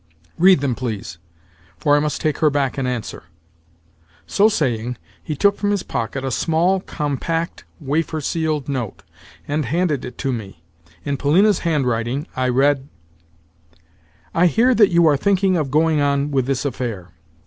Read them, please, for I must take her back an answer." So saying, he took from his pocket a small, compact, wafer sealed note, and handed it to me. In Polina's handwriting I read: "I hear that you are thinking of going on with this affair.